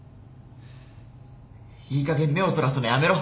いいかげん目をそらすのやめろ。